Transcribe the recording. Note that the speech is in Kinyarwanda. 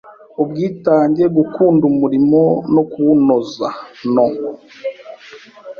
Ubwitange, Gukunda umurimo no kuwunoza no